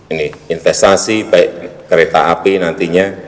ini investasi baik kereta api nantinya